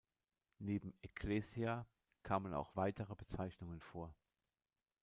Neben "ekklesia" kamen auch weitere Bezeichnungen vor.